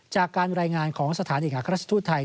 จากการรายงานของสถานเอกราชินทุทธิ์ไทย